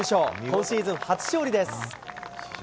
今シーズン初勝利です。